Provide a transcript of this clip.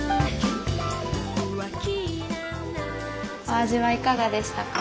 お味はいかがでしたか？